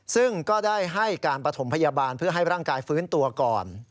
ซึ่งก็ได้ให้การปฐมพยาบาลเพื่อให้ร่างกายฟื้นตัวก่อน